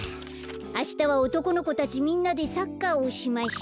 あしたは「おとこの子たちみんなでサッカーをしました」。